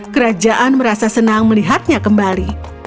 kerajaan merasa senang melihatnya kembali